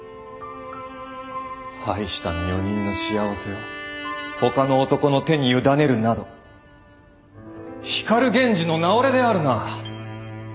愛した女人の幸せをほかの男の手に委ねるなど光源氏の名折れであるな。